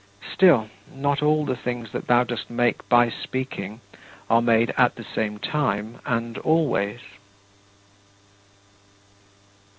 Still, not all the things that thou dost make by speaking are made at the same time and always.